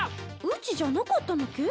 うちじゃなかったのけ？